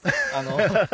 ハハハ！